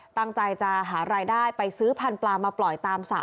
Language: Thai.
ตั้งใจจะหารายได้ไปซื้อพันธุปลามาปล่อยตามสระ